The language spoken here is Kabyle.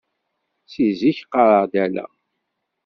Seg zik qqareɣ-d ala.